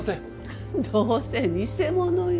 フッどうせ偽物よ。